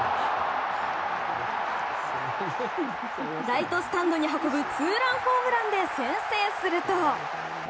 ライトスタンドに運ぶツーランホームランで先制すると。